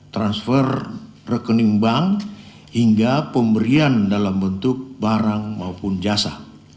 transfer rekening bank hingga pemberian dalam bentuk barang maupun jasa